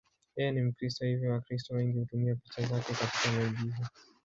Yeye ni Mkristo, hivyo Wakristo wengi hutumia picha zake katika maigizo.